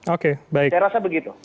oke baik saya rasa begitu